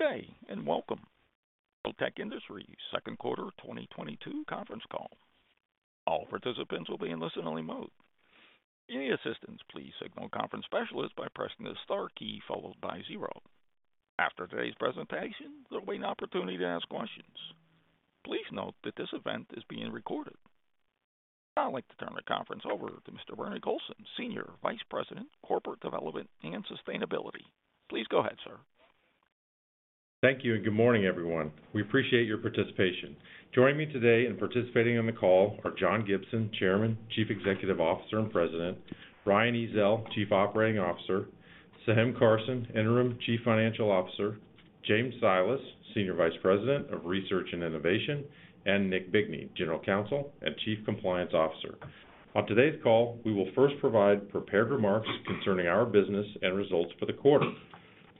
Good day, and welcome to Flotek Industries' second quarter 2022 conference call. All participants will be in listen-only mode. Any assistance, please signal a conference specialist by pressing the star key followed by zero. After today's presentation, there will be an opportunity to ask questions. Please note that this event is being recorded. Now I'd like to turn the conference over to Mr. Bernie Colson, Senior Vice President, Corporate Development and Sustainability. Please go ahead, sir. Thank you, and good morning, everyone. We appreciate your participation. Joining me today and participating on the call are John Gibson, Chairman, Chief Executive Officer, and President, Ryan Ezell, Chief Operating Officer, Seham Carson, Interim Chief Financial Officer, James Silas, Senior Vice President of Research and Innovation, and Nick Bigney, General Counsel and Chief Compliance Officer. On today's call, we will first provide prepared remarks concerning our business and results for the quarter.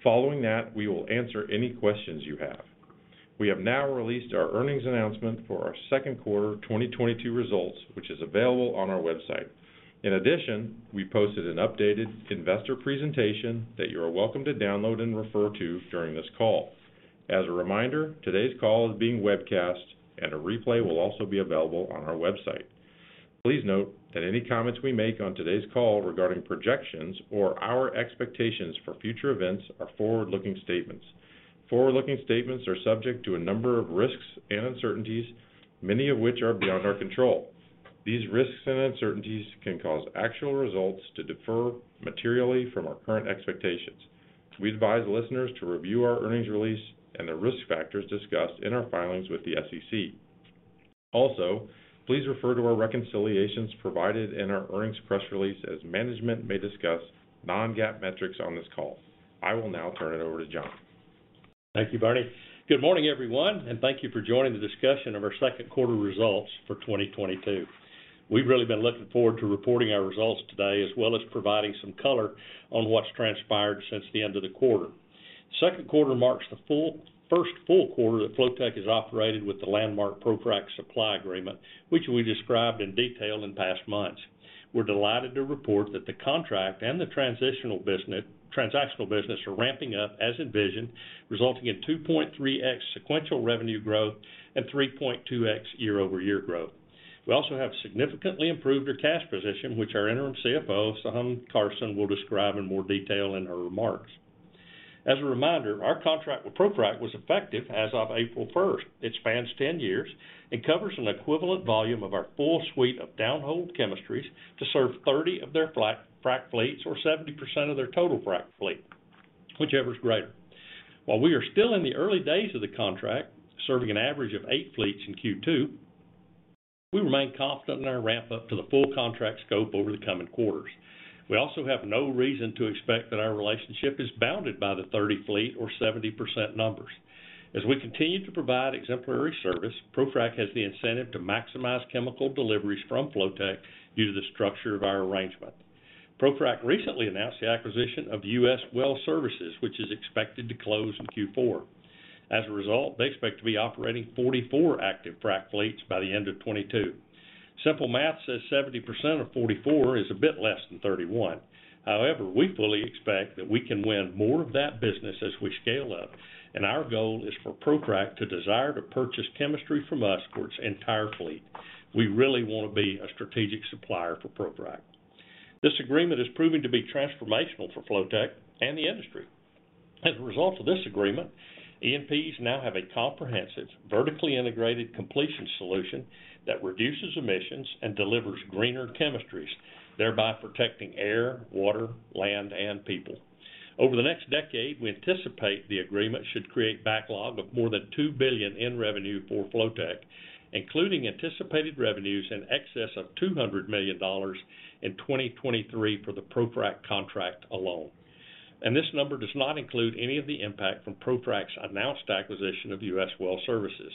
Following that, we will answer any questions you have. We have now released our earnings announcement for our second quarter 2022 results, which is available on our website. In addition, we posted an updated investor presentation that you are welcome to download and refer to during this call. As a reminder, today's call is being webcast and a replay will also be available on our website. Please note that any comments we make on today's call regarding projections or our expectations for future events are forward-looking statements. Forward-looking statements are subject to a number of risks and uncertainties, many of which are beyond our control. These risks and uncertainties can cause actual results to differ materially from our current expectations. We advise listeners to review our earnings release and the risk factors discussed in our filings with the SEC. Also, please refer to our reconciliations provided in our earnings press release as management may discuss non-GAAP metrics on this call. I will now turn it over to John. Thank you, Bernie. Good morning, everyone, and thank you for joining the discussion of our second quarter results for 2022. We've really been looking forward to reporting our results today, as well as providing some color on what's transpired since the end of the quarter. Second quarter marks the first full quarter that Flotek has operated with the landmark ProFrac supply agreement, which we described in detail in past months. We're delighted to report that the contract and the transactional business are ramping up as envisioned, resulting in 2.3x sequential revenue growth and 3.2x year-over-year growth. We also have significantly improved our cash position, which our interim CFO, Seham Carson, will describe in more detail in her remarks. As a reminder, our contract with ProFrac was effective as of April first. It spans 10 years and covers an equivalent volume of our full suite of downhole chemistries to serve 30 of their frac fleets or 70% of their total frac fleet, whichever is greater. While we are still in the early days of the contract, serving an average of eight fleets in Q2, we remain confident in our ramp up to the full contract scope over the coming quarters. We also have no reason to expect that our relationship is bounded by the 30 fleet or 70% numbers. As we continue to provide exemplary service, ProFrac has the incentive to maximize chemical deliveries from Flotek due to the structure of our arrangement. ProFrac recently announced the acquisition of U.S. Well Services, which is expected to close in Q4. As a result, they expect to be operating 44 active frac fleets by the end of 2022. Simple math says 70% of 44 is a bit less than 31. However, we fully expect that we can win more of that business as we scale up, and our goal is for ProFrac to desire to purchase chemistry from us for its entire fleet. We really wanna be a strategic supplier for ProFrac. This agreement is proving to be transformational for Flotek and the industry. As a result of this agreement, E&Ps now have a comprehensive, vertically integrated completion solution that reduces emissions and delivers greener chemistries, thereby protecting air, water, land, and people. Over the next decade, we anticipate the agreement should create backlog of more than $2 billion in revenue for Flotek, including anticipated revenues in excess of $200 million in 2023 for the ProFrac contract alone. This number does not include any of the impact from ProFrac's announced acquisition of U.S. Well Services.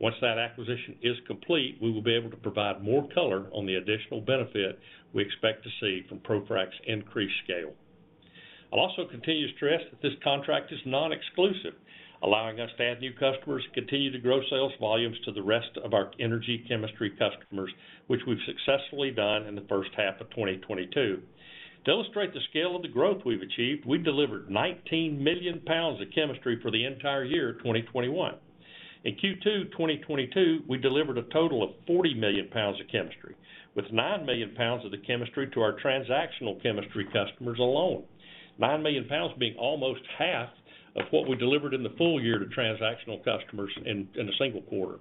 Once that acquisition is complete, we will be able to provide more color on the additional benefit we expect to see from ProFrac's increased scale. I'll also continue to stress that this contract is non-exclusive, allowing us to add new customers and continue to grow sales volumes to the rest of our energy chemistry customers, which we've successfully done in the first half of 2022. To illustrate the scale of the growth we've achieved, we delivered 19 million pounds of chemistry for the entire year 2021. In Q2 2022, we delivered a total of 40 million pounds of chemistry, with 9 million pounds of the chemistry to our transactional chemistry customers alone. 9 million pounds being almost half of what we delivered in the full year to transactional customers in a single quarter.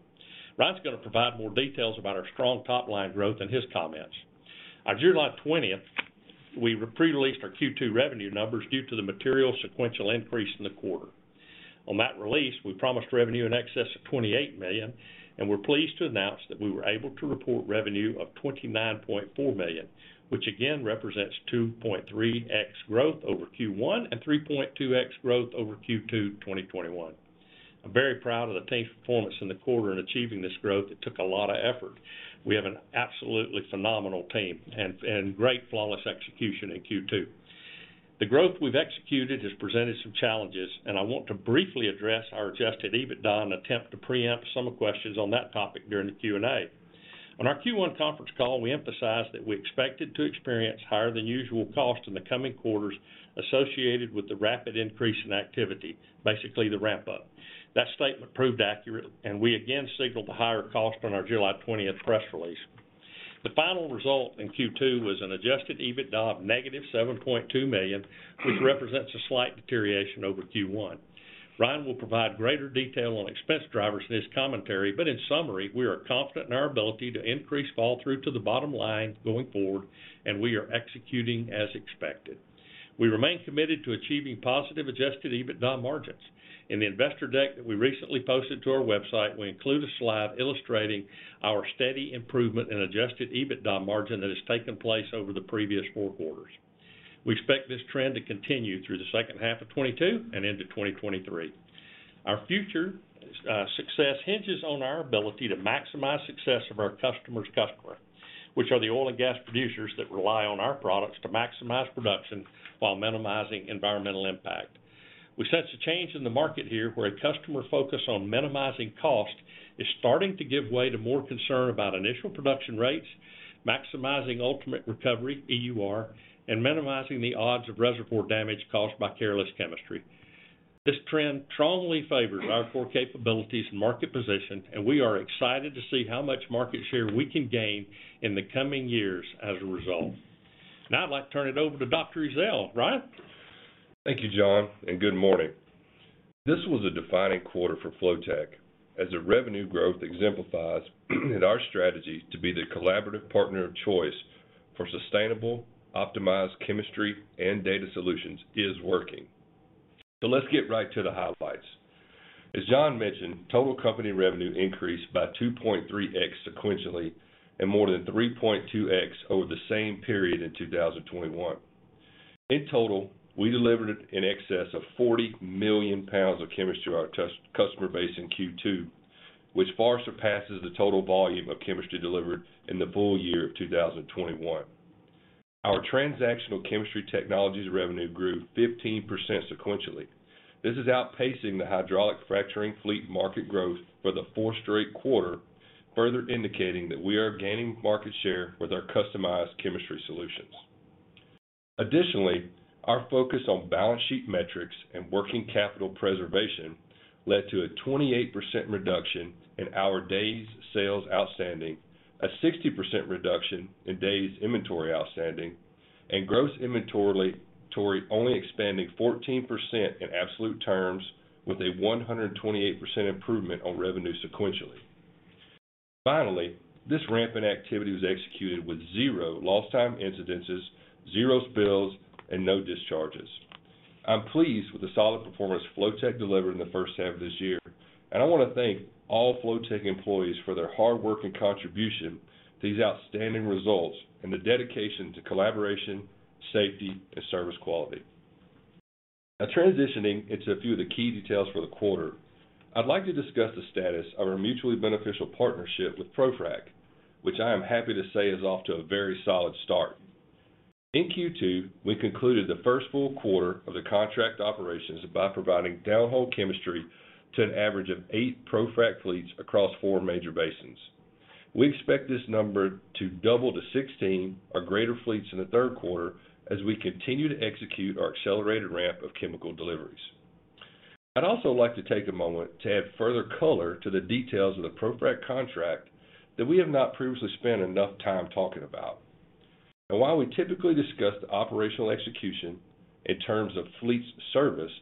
Ryan's gonna provide more details about our strong top-line growth in his comments. On July twentieth, we pre-released our Q2 revenue numbers due to the material sequential increase in the quarter. On that release, we promised revenue in excess of $28 million, and we're pleased to announce that we were able to report revenue of $29.4 million, which again represents 2.3x growth over Q1 and 3.2x growth over Q2 2021. I'm very proud of the team's performance in the quarter in achieving this growth. It took a lot of effort. We have an absolutely phenomenal team and great flawless execution in Q2. The growth we've executed has presented some challenges, and I want to briefly address our adjusted EBITDA in an attempt to preempt some questions on that topic during the Q&A. On our Q1 conference call, we emphasized that we expected to experience higher than usual costs in the coming quarters associated with the rapid increase in activity, basically the ramp up. That statement proved accurate, and we again signaled the higher cost on our July 20 press release. The final result in Q2 was an adjusted EBITDA of -$7.2 million, which represents a slight deterioration over Q1. Ryan will provide greater detail on expense drivers in his commentary. In summary, we are confident in our ability to increase flow-through to the bottom line going forward, and we are executing as expected. We remain committed to achieving positive adjusted EBITDA margins. In the investor deck that we recently posted to our website, we include a slide illustrating our steady improvement in adjusted EBITDA margin that has taken place over the previous four quarters. We expect this trend to continue through the second half of 2022 and into 2023. Our future success hinges on our ability to maximize success of our customer's customer, which are the oil and gas producers that rely on our products to maximize production while minimizing environmental impact. We sense a change in the market here, where a customer focus on minimizing cost is starting to give way to more concern about initial production rates, maximizing ultimate recovery, EUR, and minimizing the odds of reservoir damage caused by careless chemistry. This trend strongly favors our core capabilities and market position, and we are excited to see how much market share we can gain in the coming years as a result. Now I'd like to turn it over to Dr. Ezell. Ryan. Thank you, John, and good morning. This was a defining quarter for Flotek, as the revenue growth exemplifies that our strategy to be the collaborative partner of choice for sustainable, optimized chemistry and data solutions is working. Let's get right to the highlights. As John mentioned, total company revenue increased by 2.3x sequentially and more than 3.2x over the same period in 2021. In total, we delivered in excess of 40 million pounds of chemistry to our customer base in Q2, which far surpasses the total volume of chemistry delivered in the full year of 2021. Our transactional chemistry technologies revenue grew 15% sequentially. This is outpacing the hydraulic fracturing fleet market growth for the fourth straight quarter, further indicating that we are gaining market share with our customized chemistry solutions. Additionally, our focus on balance sheet metrics and working capital preservation led to a 28% reduction in our days sales outstanding, a 60% reduction in days inventory outstanding, and gross inventory only expanding 14% in absolute terms with a 128 improvement on revenue sequentially. Finally, this ramping activity was executed with 0 lost time incidents, 0 spills, and no discharges. I'm pleased with the solid performance Flotek delivered in the first half of this year, and I want to thank all Flotek employees for their hard work and contribution to these outstanding results and the dedication to collaboration, safety, and service quality. Now transitioning into a few of the key details for the quarter, I'd like to discuss the status of our mutually beneficial partnership with ProFrac, which I am happy to say is off to a very solid start. In Q2, we concluded the first full quarter of the contract operations by providing downhole chemistry to an average of 8 ProFrac fleets across 4 major basins. We expect this number to double to 16 or greater fleets in the third quarter as we continue to execute our accelerated ramp of chemical deliveries. I'd also like to take a moment to add further color to the details of the ProFrac contract that we have not previously spent enough time talking about. While we typically discuss the operational execution in terms of fleets serviced,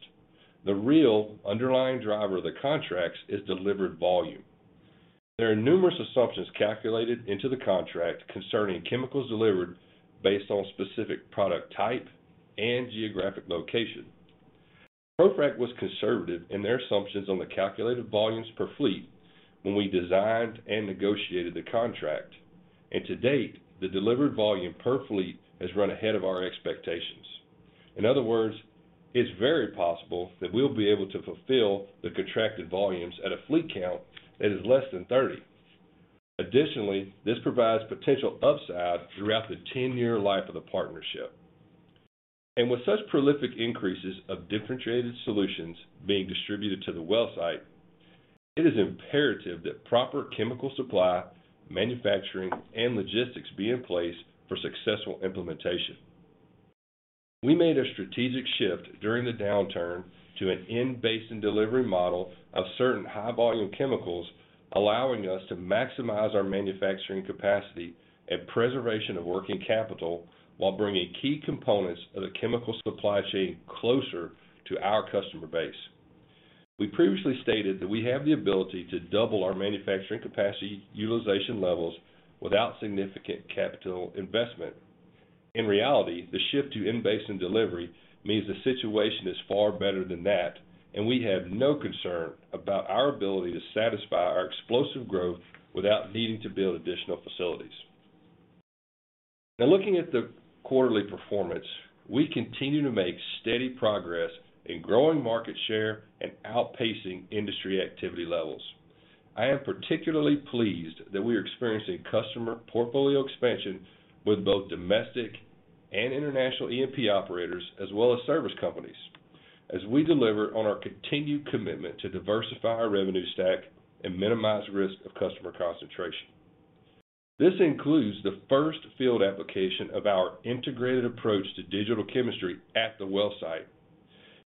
the real underlying driver of the contracts is delivered volume. There are numerous assumptions calculated into the contract concerning chemicals delivered based on specific product type and geographic location. ProFrac was conservative in their assumptions on the calculated volumes per fleet when we designed and negotiated the contract. To date, the delivered volume per fleet has run ahead of our expectations. In other words, it's very possible that we'll be able to fulfill the contracted volumes at a fleet count that is less than 30. Additionally, this provides potential upside throughout the 10-year life of the partnership. With such prolific increases of differentiated solutions being distributed to the well site, it is imperative that proper chemical supply, manufacturing, and logistics be in place for successful implementation. We made a strategic shift during the downturn to an in-basin delivery model of certain high volume chemicals, allowing us to maximize our manufacturing capacity and preservation of working capital while bringing key components of the chemical supply chain closer to our customer base. We previously stated that we have the ability to double our manufacturing capacity utilization levels without significant capital investment. In reality, the shift to in-basin delivery means the situation is far better than that, and we have no concern about our ability to satisfy our explosive growth without needing to build additional facilities. Now looking at the quarterly performance, we continue to make steady progress in growing market share and outpacing industry activity levels. I am particularly pleased that we are experiencing customer portfolio expansion with both domestic and international E&P operators, as well as service companies. As we deliver on our continued commitment to diversify our revenue stack and minimize risk of customer concentration. This includes the first field application of our integrated approach to digital chemistry at the well site.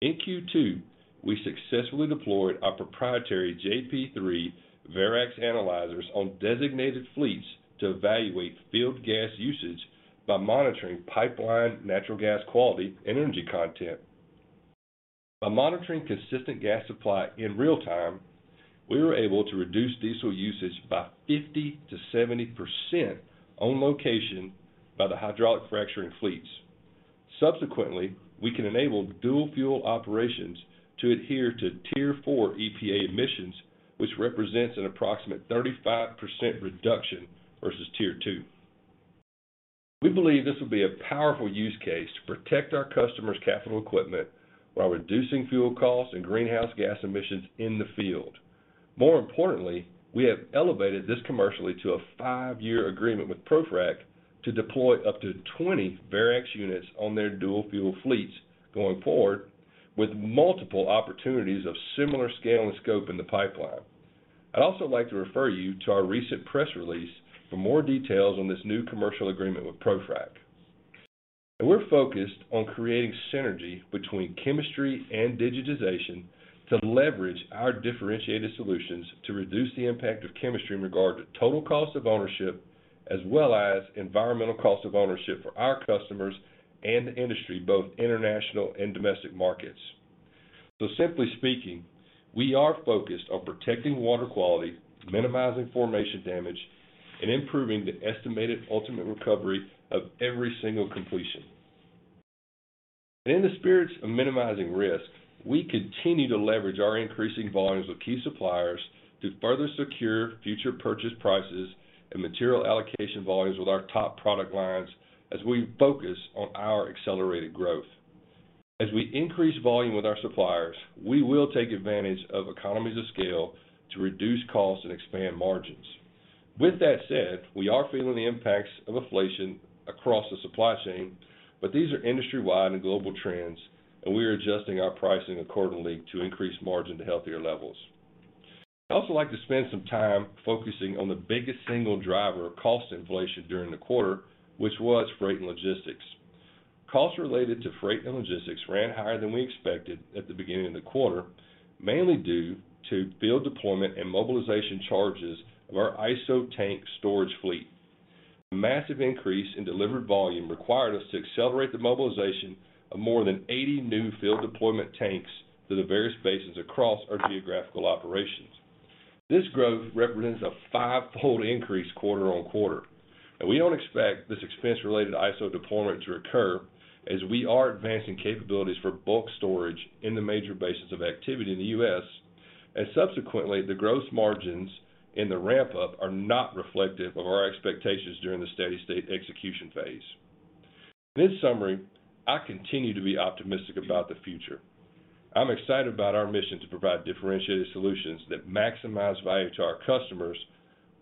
In Q2, we successfully deployed our proprietary JP3 Verax analyzers on designated fleets to evaluate field gas usage by monitoring pipeline natural gas quality energy content. By monitoring consistent gas supply in real time, we were able to reduce diesel usage by 50%-70% on location by the hydraulic fracturing fleets. Subsequently, we can enable dual fuel operations to adhere to Tier 4 EPA emissions, which represents an approximate 35% reduction versus Tier 2. We believe this will be a powerful use case to protect our customers' capital equipment while reducing fuel costs and greenhouse gas emissions in the field. More importantly, we have elevated this commercially to a 5-year agreement with ProFrac to deploy up to 20 Verax units on their dual fuel fleets going forward, with multiple opportunities of similar scale and scope in the pipeline. I'd also like to refer you to our recent press release for more details on this new commercial agreement with ProFrac. We're focused on creating synergy between chemistry and digitization to leverage our differentiated solutions to reduce the impact of chemistry in regard to total cost of ownership, as well as environmental cost of ownership for our customers and the industry, both international and domestic markets. Simply speaking, we are focused on protecting water quality, minimizing formation damage, and improving the estimated ultimate recovery of every single completion. In the spirit of minimizing risk, we continue to leverage our increasing volumes with key suppliers to further secure future purchase prices and material allocation volumes with our top product lines as we focus on our accelerated growth. As we increase volume with our suppliers, we will take advantage of economies of scale to reduce costs and expand margins. With that said, we are feeling the impacts of inflation across the supply chain, but these are industry-wide and global trends, and we are adjusting our pricing accordingly to increase margin to healthier levels. I'd also like to spend some time focusing on the biggest single driver of cost inflation during the quarter, which was freight and logistics. Costs related to freight and logistics ran higher than we expected at the beginning of the quarter, mainly due to field deployment and mobilization charges of our ISO tank storage fleet. The massive increase in delivered volume required us to accelerate the mobilization of more than 80 new field deployment tanks to the various basins across our geographical operations. This growth represents a five-fold increase quarter-over-quarter. We don't expect this expense related ISO deployment to occur as we are advancing capabilities for bulk storage in the major basins of activity in the U.S., and subsequently, the gross margins in the ramp up are not reflective of our expectations during the steady-state execution phase. In summary, I continue to be optimistic about the future. I'm excited about our mission to provide differentiated solutions that maximize value to our customers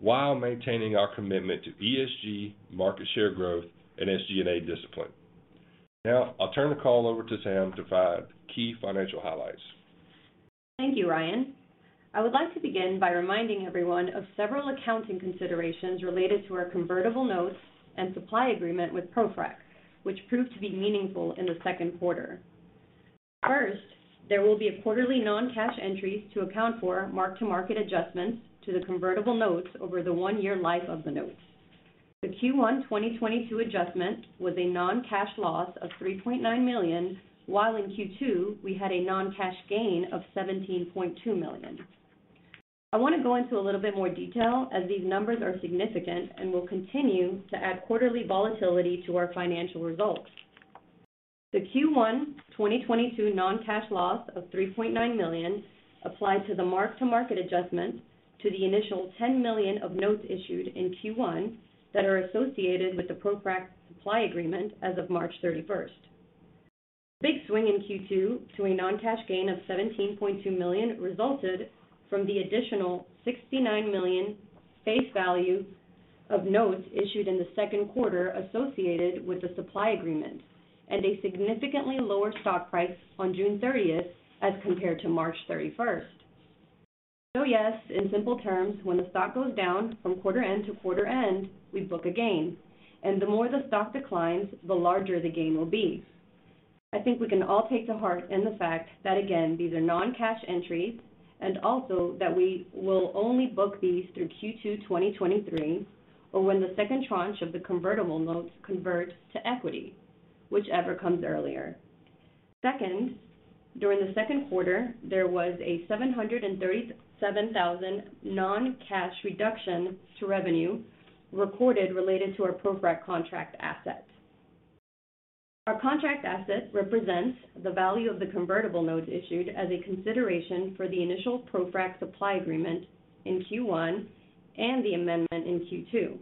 while maintaining our commitment to ESG, market share growth, and SG&A discipline. Now, I'll turn the call over to Seham to provide key financial highlights. Thank you, Ryan. I would like to begin by reminding everyone of several accounting considerations related to our convertible notes and supply agreement with ProFrac, which proved to be meaningful in the second quarter. First, there will be a quarterly non-cash entries to account for mark-to-market adjustments to the convertible notes over the one-year life of the notes. The Q1 2022 adjustment was a non-cash loss of $3.9 million, while in Q2, we had a non-cash gain of $17.2 million. I wanna go into a little bit more detail as these numbers are significant and will continue to add quarterly volatility to our financial results. The Q1 2022 non-cash loss of $3.9 million applied to the mark-to-market adjustment to the initial $10 million of notes issued in Q1 that are associated with the ProFrac supply agreement as of March 31st. The big swing in Q2 to a non-cash gain of $17.2 million resulted from the additional $69 million face value of notes issued in the second quarter associated with the supply agreement and a significantly lower stock price on June 30 as compared to March 31. Yes, in simple terms, when the stock goes down from quarter end to quarter end, we book a gain. The more the stock declines, the larger the gain will be. I think we can all take to heart in the fact that, again, these are non-cash entries, and also that we will only book these through Q2 2023 or when the second tranche of the convertible notes converts to equity, whichever comes earlier. Second, during the second quarter, there was a $737,000 non-cash reduction to revenue recorded related to our ProFrac contract asset. Our contract asset represents the value of the convertible notes issued as a consideration for the initial ProFrac supply agreement in Q1 and the amendment in Q2.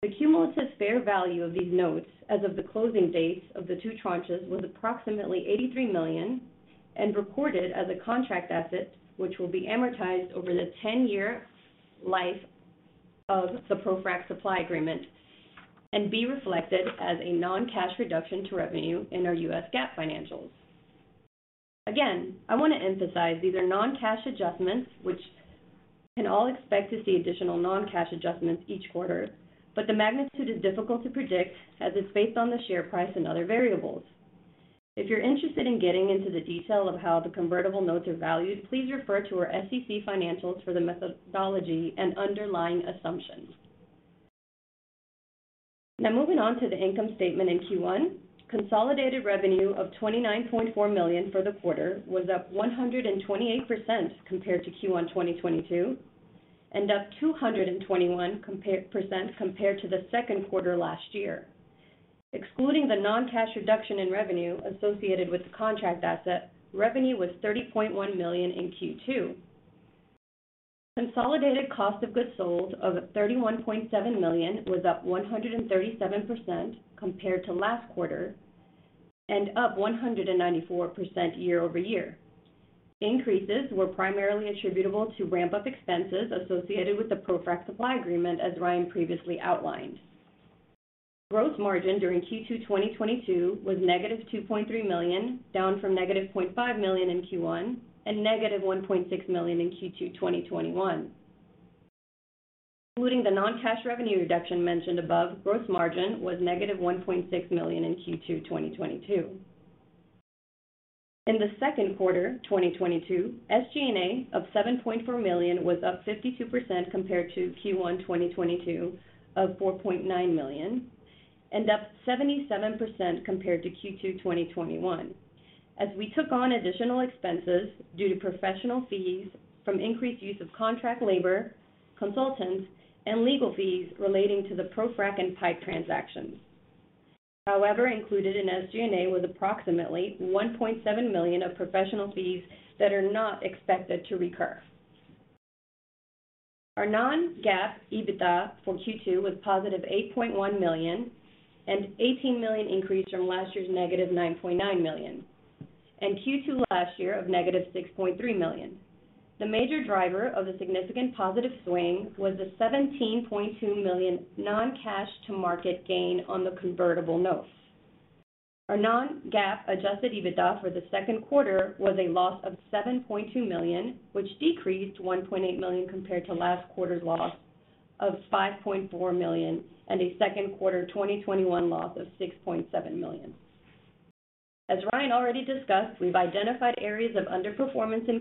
The cumulative fair value of these notes as of the closing dates of the two tranches was approximately $83 million, and recorded as a contract asset, which will be amortized over the 10-year life of the ProFrac supply agreement and be reflected as a non-cash reduction to revenue in our U.S. GAAP financials. Again, I wanna emphasize these are non-cash adjustments which we can all expect to see additional non-cash adjustments each quarter, but the magnitude is difficult to predict as it's based on the share price and other variables. If you're interested in getting into the detail of how the convertible notes are valued, please refer to our SEC financials for the methodology and underlying assumptions. Now moving on to the income statement in Q1. Consolidated revenue of $29.4 million for the quarter was up 128% compared to Q1 2022, and up 221% compared to the second quarter last year. Excluding the non-cash reduction in revenue associated with the contract asset, revenue was $30.1 million in Q2. Consolidated cost of goods sold of $31.7 million was up 137% compared to last quarter and up 194% year-over-year. Increases were primarily attributable to ramp-up expenses associated with the ProFrac supply agreement, as Ryan previously outlined. Gross margin during Q2 2022 was negative $2.3 million, down from negative $0.5 million in Q1 and negative $1.6 million in Q2 2021. Including the non-cash revenue reduction mentioned above, gross margin was -$1.6 million in Q2 2022. In the second quarter 2022, SG&A of $7.4 million was up 52% compared to Q1 2022 of $4.9 million, and up 77% compared to Q2 2021, as we took on additional expenses due to professional fees from increased use of contract labor, consultants, and legal fees relating to the ProFrac and PIPE transactions. However, included in SG&A was approximately $1.7 million of professional fees that are not expected to recur. Our non-GAAP EBITDA for Q2 was $8.1 million, an $18 million increase from last year's -$9.9 million, and Q2 last year of -$6.3 million. The major driver of the significant positive swing was the $17.2 million non-cash mark-to-market gain on the convertible notes. Our non-GAAP adjusted EBITDA for the second quarter was a loss of $7.2 million, which decreased $1.8 million compared to last quarter's loss of $5.4 million and a second quarter 2021 loss of $6.7 million. As Ryan already discussed, we've identified areas of underperformance in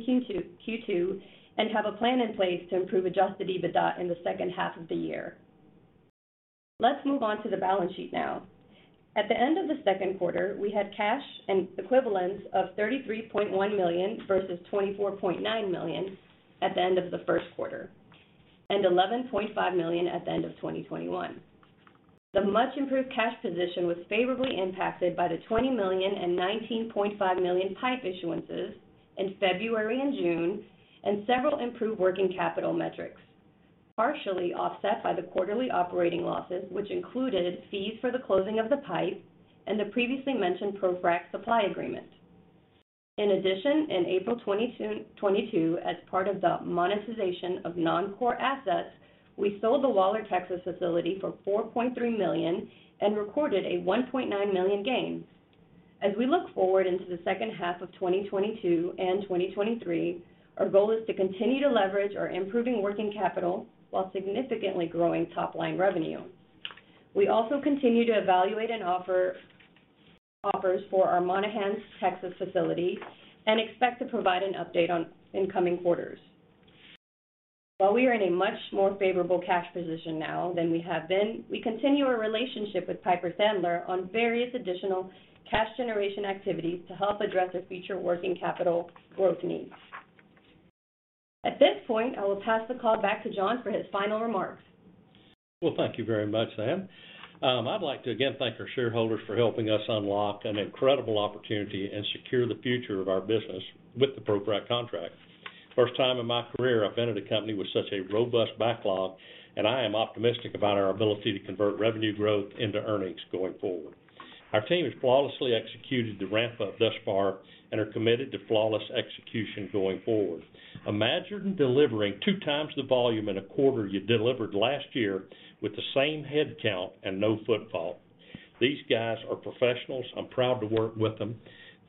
Q2 and have a plan in place to improve adjusted EBITDA in the second half of the year. Let's move on to the balance sheet now. At the end of the second quarter, we had cash and equivalents of $33.1 million versus $24.9 million at the end of the first quarter, and $11.5 million at the end of 2021. The much improved cash position was favorably impacted by the $20 million and $19.5 million PIPE issuances in February and June, and several improved working capital metrics, partially offset by the quarterly operating losses, which included fees for the closing of the PIPE and the previously mentioned ProFrac supply agreement. In addition, in April 2022, as part of the monetization of non-core assets, we sold the Waller, Texas facility for $4.3 million and recorded a $1.9 million gain. As we look forward into the second half of 2022 and 2023, our goal is to continue to leverage our improving working capital while significantly growing top line revenue. We also continue to evaluate and offers for our Monahans, Texas facility and expect to provide an update in coming quarters. While we are in a much more favorable cash position now than we have been, we continue our relationship with Piper Sandler on various additional cash generation activities to help address our future working capital growth needs. At this point, I will pass the call back to John for his final remarks. Well, thank you very much, Seham. I'd like to again thank our shareholders for helping us unlock an incredible opportunity and secure the future of our business with the ProFrac contract. First time in my career I've entered a company with such a robust backlog, and I am optimistic about our ability to convert revenue growth into earnings going forward. Our team has flawlessly executed the ramp-up thus far and are committed to flawless execution going forward. Imagine delivering two times the volume in a quarter you delivered last year with the same head count and no fault. These guys are professionals. I'm proud to work with them.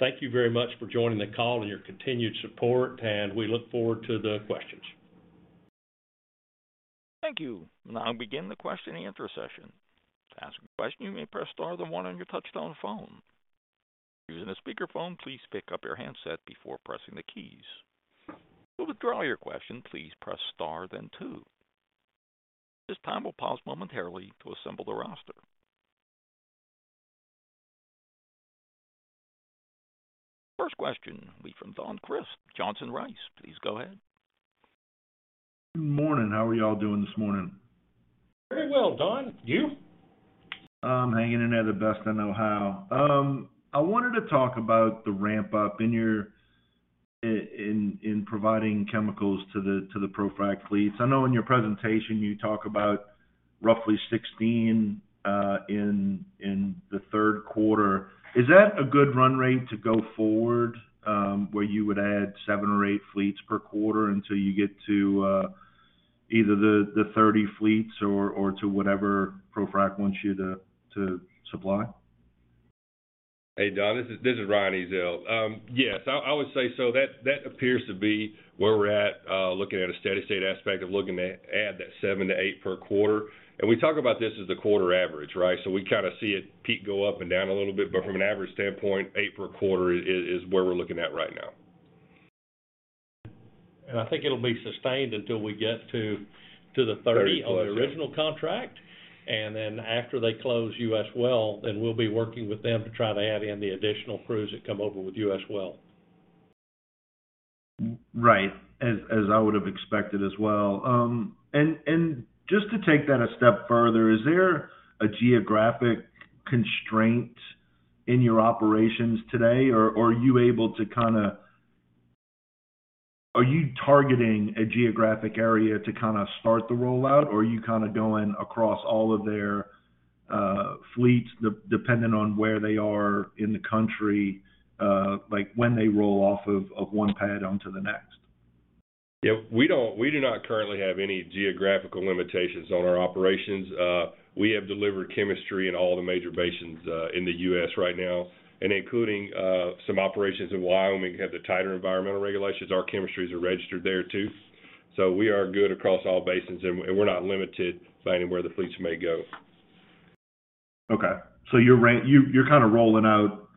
Thank you very much for joining the call and your continued support, and we look forward to the questions. Thank you. Now we begin the question and answer session. To ask a question, you may press star then one on your touchtone phone. If you're using a speakerphone, please pick up your handset before pressing the keys. To withdraw your question, please press star then two. At this time, we'll pause momentarily to assemble the roster. First question will be from Don Crist, Johnson Rice. Please go ahead. Morning. How are y'all doing this morning? Very well, Don. You? I'm hanging in there the best I know how. I wanted to talk about the ramp up in your in providing chemicals to the ProFrac fleets. I know in your presentation you talk about Roughly 16 in the third quarter. Is that a good run rate to go forward, where you would add 7 or 8 fleets per quarter until you get to, either the 30 fleets or to whatever ProFrac wants you to supply? Hey, Don, this is Ryan Ezell. Yes, I would say so. That appears to be where we're at, looking at a steady state aspect of looking to add that 7-8 per quarter. We talk about this as the quarter average, right? We kinda see it peak go up and down a little bit, but from an average standpoint, 8 per quarter is where we're looking at right now. I think it'll be sustained until we get to the thirty- 30 fleets, yeah... on the original contract. Then after they close U.S. Well, then we'll be working with them to try to add in the additional crews that come over with U.S. Well. Right, as I would have expected as well. Just to take that a step further, is there a geographic constraint in your operations today, or are you able to kinda. Are you targeting a geographic area to kinda start the rollout, or are you kinda going across all of their fleets depending on where they are in the country, like when they roll off of one pad onto the next? Yeah. We do not currently have any geographical limitations on our operations. We have delivered chemistry in all the major basins in the U.S. right now, and including some operations in Wyoming have the tighter environmental regulations. Our chemistries are registered there too. We are good across all basins and we're not limited by anywhere the fleets may go. Okay. You're kinda rolling out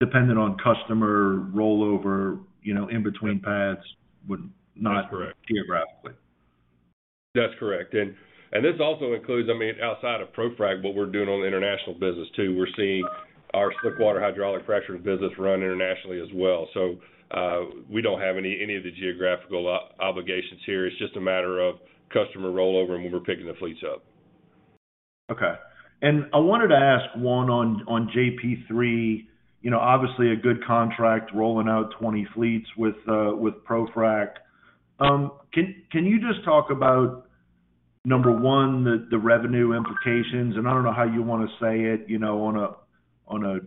depending on customer rollover, you know, in between pads. Yep would not. That's correct. geographically. That's correct. This also includes, I mean, outside of ProFrac, what we're doing on the international business too. We're seeing our slickwater hydraulic fracturing business run internationally as well. We don't have any of the geographical obligations here. It's just a matter of customer rollover and when we're picking the fleets up. Okay. I wanted to ask one on JP3. You know, obviously a good contract rolling out 20 fleets with ProFrac. Can you just talk about, number one, the revenue implications, and I don't know how you wanna say it, you know, on a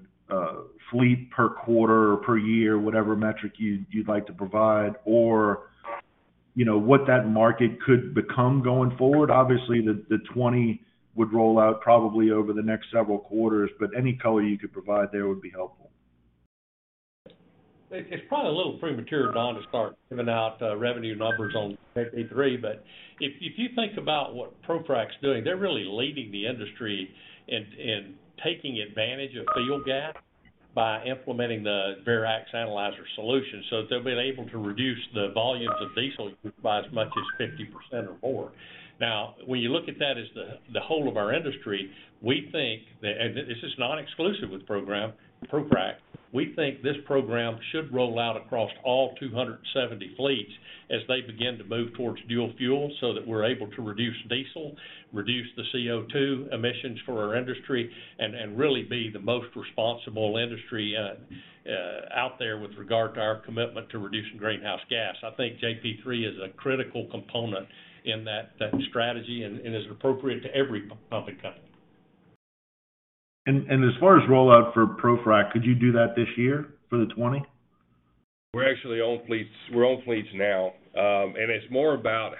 fleet per quarter or per year, whatever metric you'd like to provide, or you know, what that market could become going forward. Obviously, the 20 would roll out probably over the next several quarters, but any color you could provide there would be helpful. It's probably a little premature, Don, to start giving out revenue numbers on JP3. If you think about what ProFrac's doing, they're really leading the industry in taking advantage of fuel gas by implementing the Verax Analyzer solution. They've been able to reduce the volumes of diesel by as much as 50% or more. When you look at that as the whole of our industry, we think that this is not exclusive with ProFrac. We think this program should roll out across all 270 fleets as they begin to move towards dual fuel so that we're able to reduce diesel, reduce the CO2 emissions for our industry, and really be the most responsible industry out there with regard to our commitment to reducing greenhouse gas. I think JP3 is a critical component in that strategy and is appropriate to every public company. As far as rollout for ProFrac, could you do that this year for the 20? We're actually on fleets now. It's more about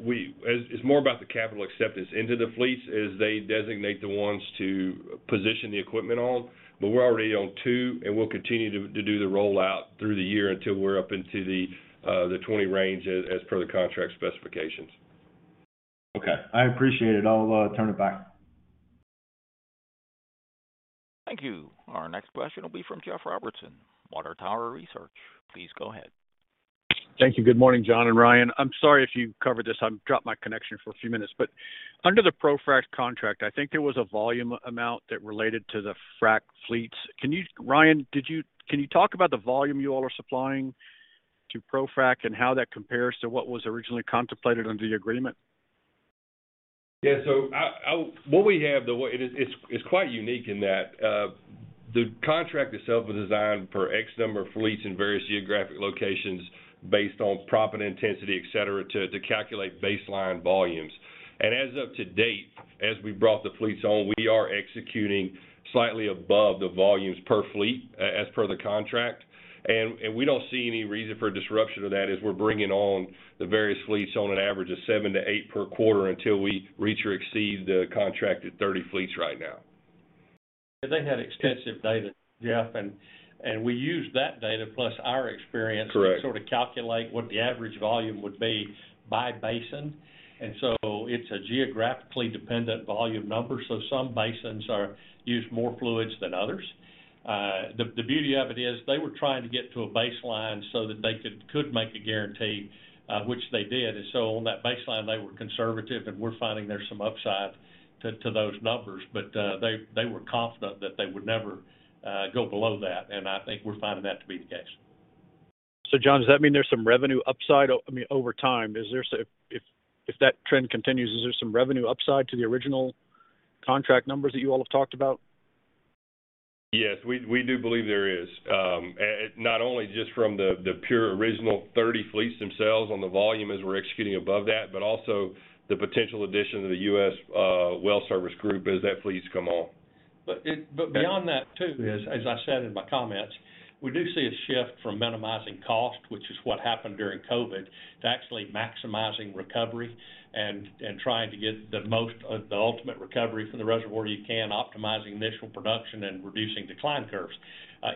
the capital acceptance into the fleets as they designate the ones to position the equipment on. We're already on 2, and we'll continue to do the rollout through the year until we're up into the 20 range as per the contract specifications. Okay. I appreciate it. I'll turn it back. Thank you. Our next question will be from Jeff Robertson, Water Tower Research. Please go ahead. Thank you. Good morning, John and Ryan. I'm sorry if you covered this. I dropped my connection for a few minutes. Under the ProFrac contract, I think there was a volume amount that related to the frac fleets. Ryan, can you talk about the volume you all are supplying to ProFrac and how that compares to what was originally contemplated under the agreement? It is quite unique in that the contract itself was designed for X number of fleets in various geographic locations based on proppant intensity, et cetera, to calculate baseline volumes. As of today, as we brought the fleets on, we are executing slightly above the volumes per fleet as per the contract. We don't see any reason for a disruption of that as we're bringing on the various fleets on average of 7-8 per quarter until we reach or exceed the contracted 30 fleets right now. They had extensive data, Jeff, and we used that data plus our experience. Correct To sort of calculate what the average volume would be by basin. It's a geographically dependent volume number. Some basins use more fluids than others. The beauty of it is they were trying to get to a baseline so that they could make a guarantee, which they did. On that baseline, they were conservative, and we're finding there's some upside to those numbers. They were confident that they would never go below that, and I think we're finding that to be the case. John, does that mean there's some revenue upside, I mean, over time? If that trend continues, is there some revenue upside to the original contract numbers that you all have talked about? Yes, we do believe there is. Not only just from the pure original 30 fleets themselves on the volume as we're executing above that, but also the potential addition to the U.S. Well Services group as that fleets come on. Beyond that too, as I said in my comments, we do see a shift from minimizing cost, which is what happened during COVID, to actually maximizing recovery and trying to get the ultimate recovery from the reservoir you can, optimizing initial production and reducing decline curves.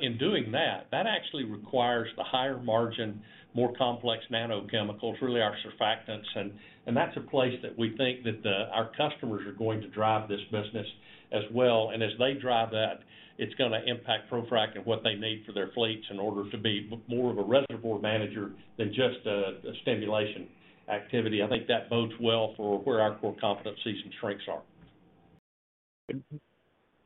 In doing that actually requires the higher margin, more complex nanochemicals, really our surfactants. That's a place that we think that our customers are going to drive this business as well. As they drive that, it's gonna impact ProFrac and what they need for their fleets in order to be more of a reservoir manager than just a stimulation activity. I think that bodes well for where our core competencies and strengths are.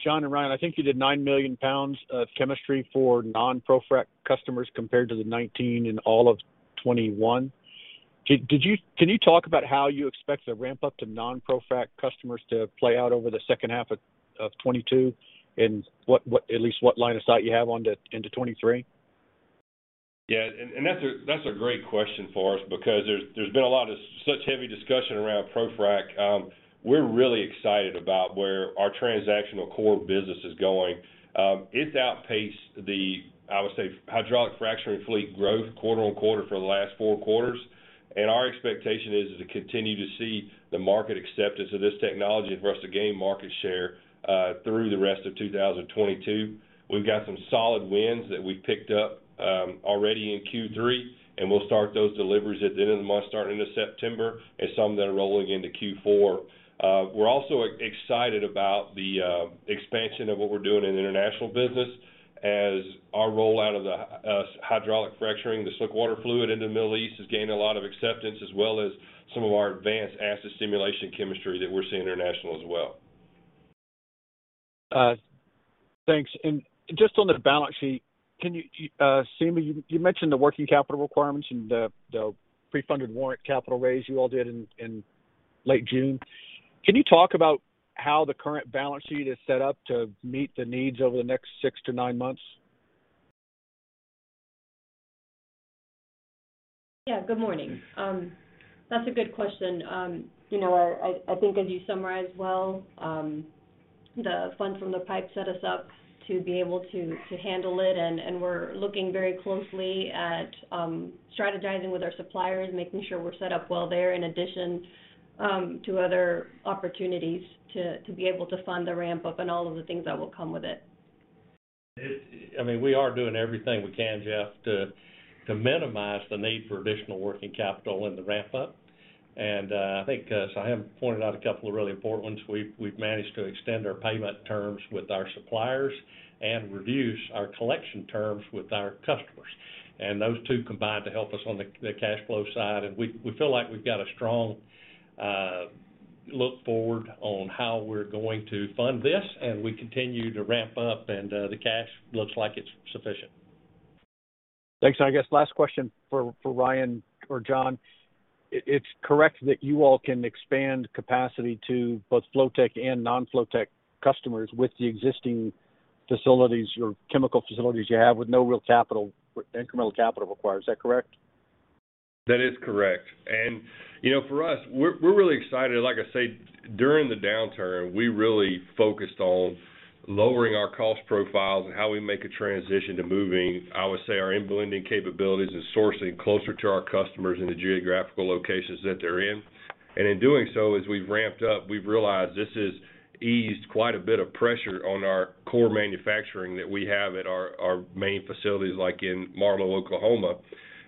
John and Ryan, I think you did 9 million pounds of chemistry for non-ProFrac customers compared to the 19 in all of 2021. Did you— Can you talk about how you expect the ramp up to non-ProFrac customers to play out over the second half of 2022 and what— at least what line of sight you have into 2023? Yeah. That's a great question for us because there's been a lot of such heavy discussion around ProFrac. We're really excited about where our transactional core business is going. It's outpaced, I would say, the hydraulic fracturing fleet growth quarter-over-quarter for the last four quarters. Our expectation is to continue to see the market acceptance of this technology and for us to gain market share through the rest of 2022. We've got some solid wins that we picked up already in Q3, and we'll start those deliveries at the end of the month, starting into September, and some that are rolling into Q4. We're also excited about the expansion of what we're doing in international business as our rollout of the hydraulic fracturing slickwater fluid in the Middle East has gained a lot of acceptance, as well as some of our advanced acid stimulation chemistry that we're seeing internationally as well. Just on the balance sheet, can you, Seham, you mentioned the working capital requirements and the pre-funded warrant capital raise you all did in late June. Can you talk about how the current balance sheet is set up to meet the needs over the next 6 to 9 months? Yeah. Good morning. That's a good question. You know, I think as you summarized well, the funds from the PIPE set us up to be able to handle it, and we're looking very closely at strategizing with our suppliers, making sure we're set up well there in addition to other opportunities to be able to fund the ramp up and all of the things that will come with it. I mean, we are doing everything we can, Jeff, to minimize the need for additional working capital in the ramp up. I think, so I have pointed out a couple of really important ones. We've managed to extend our payment terms with our suppliers and reduce our collection terms with our customers. Those two combined to help us on the cash flow side. We feel like we've got a strong look forward on how we're going to fund this, and we continue to ramp up and the cash looks like it's sufficient. Thanks. I guess last question for Ryan or John. It's correct that you all can expand capacity to both Flotek and non-Flotek customers with the existing facilities or chemical facilities you have with no real incremental capital required. Is that correct? That is correct. You know, for us, we're really excited. Like I say, during the downturn, we really focused on lowering our cost profiles and how we make a transition to moving, I would say, our in-blending capabilities and sourcing closer to our customers in the geographical locations that they're in. In doing so, as we've ramped up, we've realized this has eased quite a bit of pressure on our core manufacturing that we have at our main facilities, like in Marlow, Oklahoma.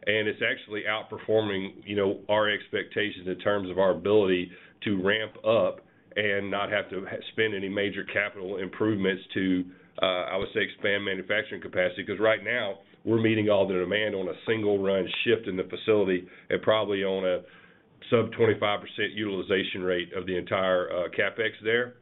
It's actually outperforming, you know, our expectations in terms of our ability to ramp up and not have to spend any major capital improvements to, I would say, expand manufacturing capacity. Because right now, we're meeting all the demand on a single run shift in the facility at probably only a sub 25% utilization rate of the entire CapEx there.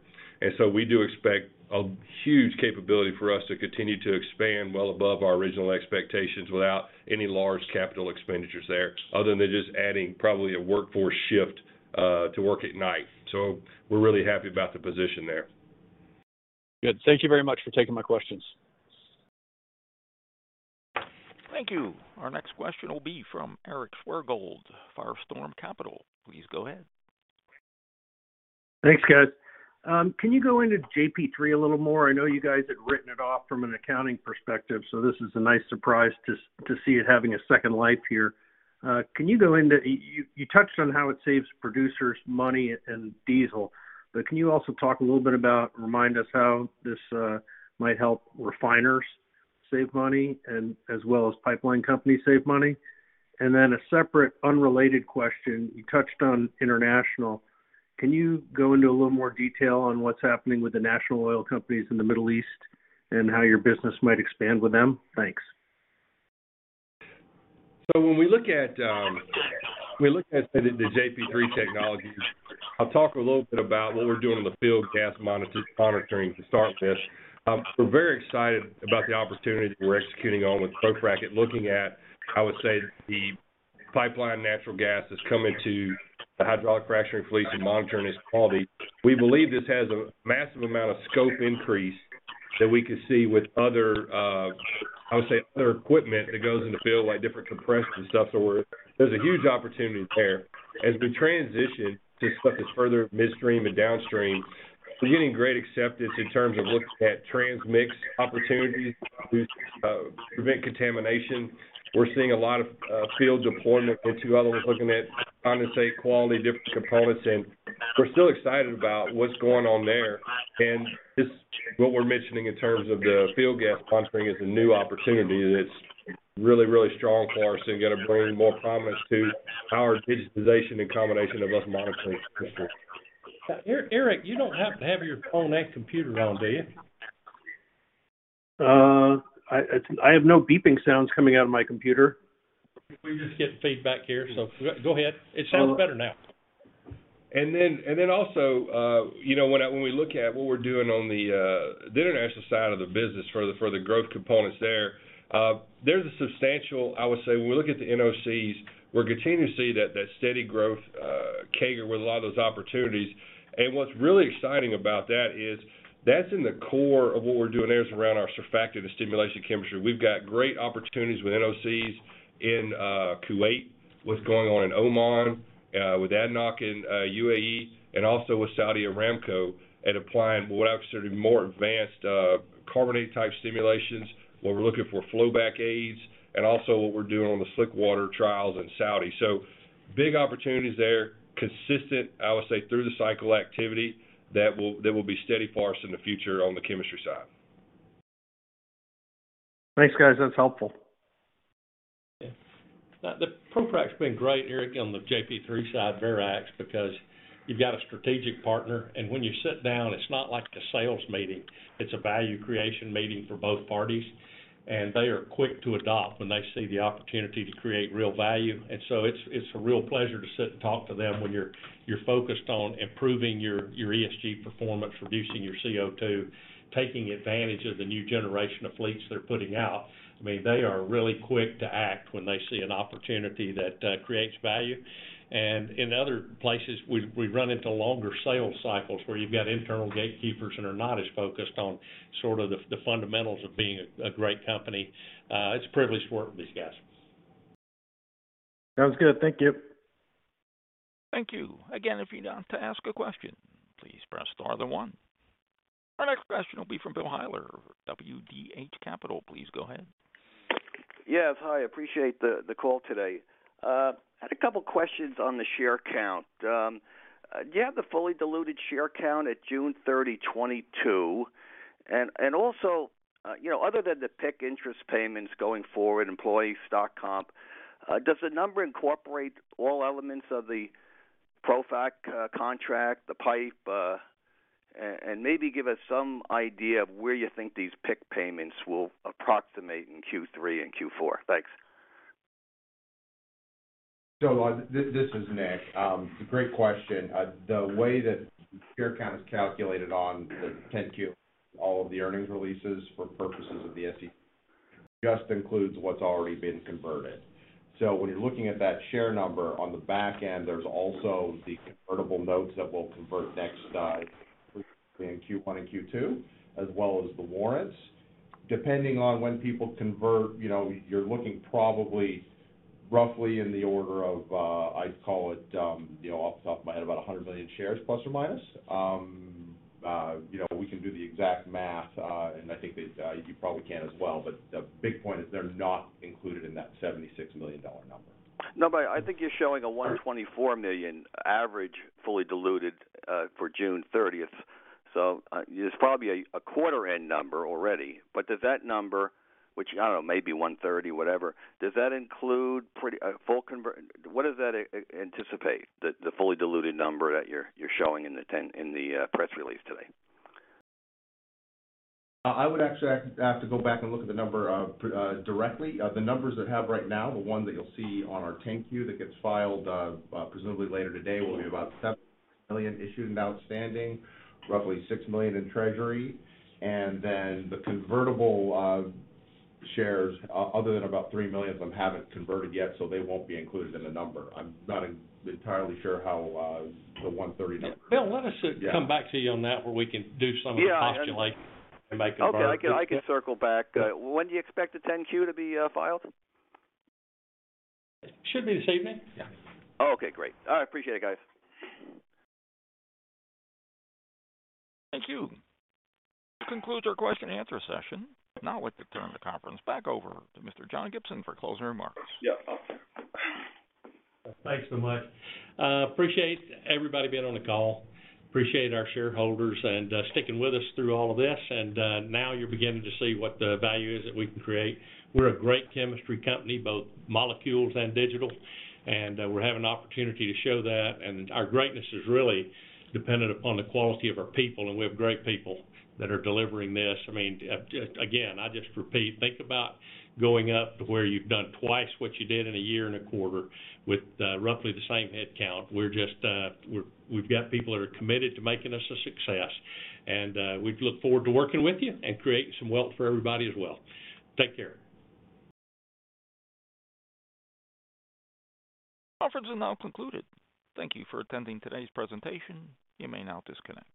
We do expect a huge capability for us to continue to expand well above our original expectations without any large capital expenditures there, other than just adding probably a workforce shift to work at night. We're really happy about the position there. Good. Thank you very much for taking my questions. Thank you. Our next question will be from Eric Swergold, Firestorm Capital. Please go ahead. Thanks, guys. Can you go into JP3 a little more? I know you guys had written it off from an accounting perspective, so this is a nice surprise to see it having a second life here. Can you go into you touched on how it saves producers money and diesel, but can you also talk a little bit about remind us how this might help refiners save money as well as pipeline companies save money? A separate, unrelated question, you touched on international. Can you go into a little more detail on what's happening with the national oil companies in the Middle East and how your business might expand with them? Thanks. When we look at the JP3 technology, I'll talk a little bit about what we're doing in the field gas monitoring to start with. We're very excited about the opportunity we're executing on with ProFrac looking at, I would say, the pipeline natural gas is coming to the hydraulic fracturing fleet and monitoring its quality. We believe this has a massive amount of scope increase that we can see with other, I would say, other equipment that goes in the field, like different compressors and stuff. There's a huge opportunity there. As we transition to stuff that's further midstream and downstream, we're getting great acceptance in terms of looking at transmix opportunities to prevent contamination. We're seeing a lot of field deployment into other ones, looking at condensate quality, different components. We're still excited about what's going on there. This, what we're mentioning in terms of the field gas pumping is a new opportunity that's really, really strong for us and gonna bring more promise to our digitization and combination of our monitoring. Eric, you don't happen to have your phone and computer on, do you? I have no beeping sounds coming out of my computer. We're just getting feedback here. Go ahead. It sounds better now. You know, when we look at what we're doing on the international side of the business for the growth components there's a substantial, I would say, when we look at the NOCs, we're continuing to see that steady growth CAGR with a lot of those opportunities. What's really exciting about that is that's in the core of what we're doing there is around our surfactant and stimulation chemistry. We've got great opportunities with NOCs in Kuwait, what's going on in Oman, with ADNOC in UAE, and also with Saudi Aramco at applying what I would say are more advanced carbonate-type stimulations, where we're looking for flowback aids and also what we're doing on the slickwater trials in Saudi. Big opportunities there. Consistent, I would say, through the cycle activity that will be steady for us in the future on the chemistry side. Thanks, guys. That's helpful. Yeah. ProFrac's been great, Eric, on the JP3 side of Verax because you've got a strategic partner, and when you sit down, it's not like a sales meeting. It's a value creation meeting for both parties. They are quick to adopt when they see the opportunity to create real value. It's a real pleasure to sit and talk to them when you're focused on improving your ESG performance, reducing your CO2, taking advantage of the new generation of fleets they're putting out. I mean, they are really quick to act when they see an opportunity that creates value. In other places, we run into longer sales cycles where you've got internal gatekeepers that are not as focused on sort of the fundamentals of being a great company. It's a privilege to work with these guys. Sounds good. Thank you. Thank you. Again, if you'd like to ask a question, please press star then one. Our next question will be from Bill Hiler, WDH Capital. Please go ahead. Yes. Hi. Appreciate the call today. Had a couple questions on the share count. Do you have the fully diluted share count at June 30, 2022? Also, you know, other than the PIK interest payments going forward, employee stock comp, does the number incorporate all elements of the ProFrac contract, the PIPE? And maybe give us some idea of where you think these PIK payments will approximate in Q3 and Q4. Thanks. This is Nick. Great question. The way that share count is calculated on the 10-Q, all of the earnings releases for purposes of the SEC just includes what's already been converted. When you're looking at that share number on the back end, there's also the convertible notes that will convert next in Q1 and Q2, as well as the warrants. Depending on when people convert, you know, you're looking probably roughly in the order of, I'd call it, you know, off the top of my head, about 100 million shares, plus or minus. You know, we can do the exact math, and I think that you probably can as well. The big point is they're not included in that 76 million share number. No, I think you're showing a 124 million average fully diluted for June 30. There's probably a quarter end number already. Does that number, which I don't know may be 130, whatever? What does that anticipate, the fully diluted number that you're showing in the 10-Q in the press release today? I would actually have to go back and look at the number directly. The numbers I have right now, the one that you'll see on our 10-Q that gets filed, presumably later today, will be about 7 million issued and outstanding, roughly 6 million in Treasury. The convertible shares other than about 3 million of them haven't converted yet, so they won't be included in the number. I'm not entirely sure how the 130 number. Bill, let us come back to you on that where we can do some of the postulation and make it. All right. I can circle back. When do you expect the 10-Q to be filed? Should be this evening. Yeah. Okay, great. I appreciate it, guys. Thank you. This concludes our question and answer session. I'd now like to turn the conference back over to Mr. John Gibson for closing remarks. Yeah. Thanks so much. Appreciate everybody being on the call. Appreciate our shareholders and sticking with us through all of this. Now you're beginning to see what the value is that we can create. We're a great chemistry company, both molecules and digital, and we're having an opportunity to show that. Our greatness is really dependent upon the quality of our people, and we have great people that are delivering this. I mean, again, I just repeat, think about going up to where you've done twice what you did in a year and a quarter with roughly the same headcount. We're just we've got people that are committed to making us a success. We look forward to working with you and creating some wealth for everybody as well. Take care. Conference is now concluded. Thank you for attending today's presentation. You may now disconnect.